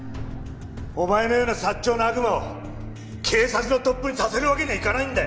お前のようなサッチョウの悪魔を警察のトップにさせるわけにはいかないんだよ！